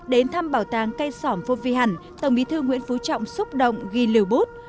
đến thăm bảo tàng cây sỏn phô vi hẳn tổng bí thư nguyễn phú trọng xúc động ghi lưu bút